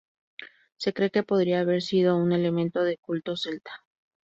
Se cree que podría haber sido un elemento de culto celta.